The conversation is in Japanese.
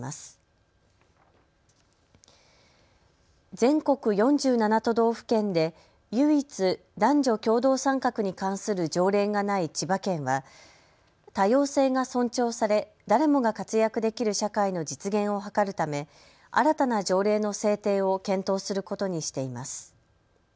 全国４７都道府県で唯一、男女共同参画に関する条例がない千葉県は多様性が尊重され、誰もが活躍できる社会の実現を図るため新たな条例の制定を検討することにしています。